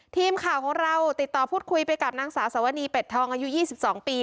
ทีมข่าวของเราติดต่อพูดคุยไปกับนางสาวสวนีเป็ดทองอายุ๒๒ปี